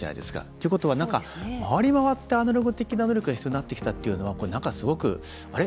ってことは、回りまわってアナログ的な能力が必要になってきたっていうのはこれ、なんか、すごくあれ？